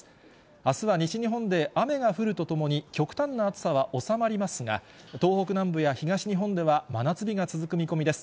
あすは西日本で雨が降るとともに、極端な暑さは収まりますが、東北南部や東日本では、真夏日が続く見込みです。